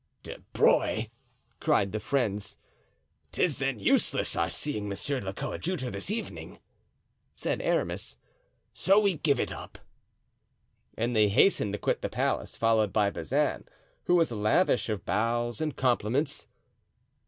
"De Bruy!" cried the friends, "'tis then useless our seeing monsieur the coadjutor this evening," said Aramis, "so we give it up." And they hastened to quit the palace, followed by Bazin, who was lavish of bows and compliments.